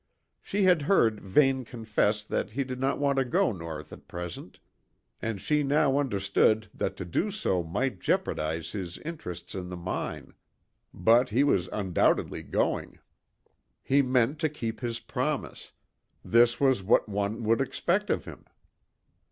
She had heard Vane confess that he did not want to go north at present, and she now understood that to do so might jeopardise his interests in the mine; but he was undoubtedly going. He meant to keep his promise this was what one would expect of him.